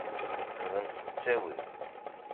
Xdem s ttawil.